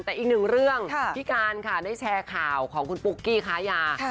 แต่อีกหนึ่งเรื่องพี่การค่ะได้แชร์ข่าวของคุณปุ๊กกี้ค้ายา